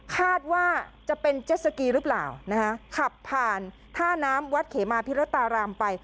คาดว่าจะเป็นเจ็ดสกีหรือเปล่านะคะขับผ่านท่าน้ำวัดเขมาพิรตารามไป